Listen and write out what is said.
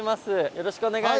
よろしくお願いします。